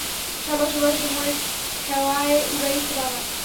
ছয় বছর বয়সে মোরে খেওয়ায় উডাইছে বাবায়।